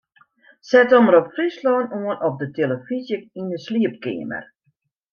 Set Omrop Fryslân oan op de tillefyzje yn 'e sliepkeamer.